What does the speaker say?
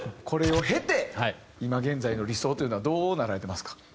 これを経て今現在の理想というのはどうなられてますか？